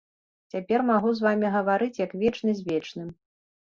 Цяпер магу з вамі гаварыць, як вечны з вечным.